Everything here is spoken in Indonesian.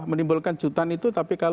menimbulkan kejutan itu